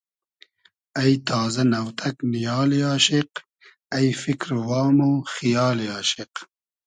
اݷ تازۂ ، نۆتئگ نیالی آشیق اݷ فیکر و وام و خیالی آشیق